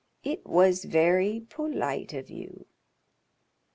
"It was very polite of you."